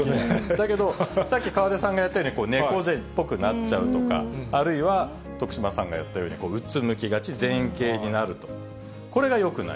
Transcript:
だけどさっき河出さんがやったように猫背っぽくなっちゃうとか、あるいは徳島さんがやったように、うつむきがち、前傾になると、これがよくない。